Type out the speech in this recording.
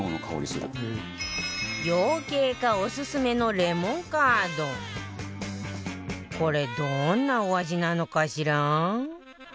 養鶏家オススメのこれどんなお味なのかしら？